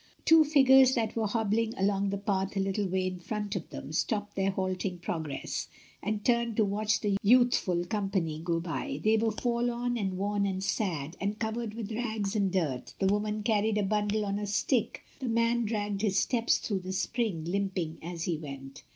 Two figures that were hobbling along the path a little way in front of them, stopped their halting progress, and turned to watch the youthftil company ST. DAMIAN AND OTHERS. 75 go by. They were forlorn and worn and sad, and covered with rags and, dirt; the woman carried a bundle on a stick, the man dragged his steps through the spring, limping as he went.